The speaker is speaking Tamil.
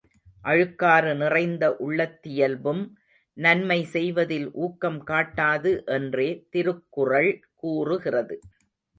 அழுக்காறு நிறைந்த உள்ளத்தியல்பும், நன்மை செய்வதில் ஊக்கம் காட்டாது என்றே திருக்குறள் கூறுகிறது.